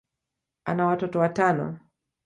ana watoto watano.